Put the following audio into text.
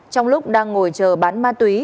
trong lúc đang ngồi chờ bán ma túy